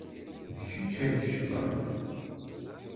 D kecc ay yeccḍen.